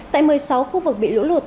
tại một mươi sáu khu vực bị lũ lụt